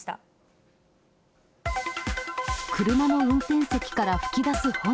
車の運転席から噴き出す炎。